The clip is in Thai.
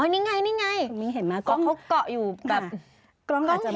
นี่ไงเค้าเกาะอยู่กับเค้าเห็นไหม